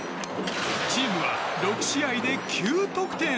チームは６試合で９得点。